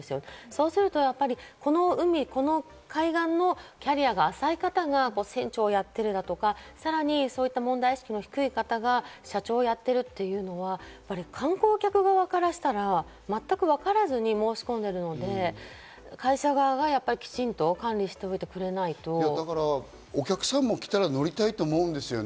そうするとこの海、海岸のキャリアが浅い方が船長をやっているだとか、さらにそういった問題意識の低い方が社長をやっているというのは観光客側からしたら、全くわからずに申し込んでいるので、会社側がきちんと管理しておいてくれないと。お客さんも来たら乗りたいと思うんですよ。